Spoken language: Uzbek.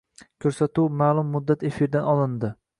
Koʻrsatuv maʼlum muddat efirdan olindi.